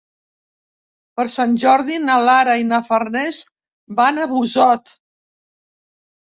Per Sant Jordi na Lara i na Farners van a Busot.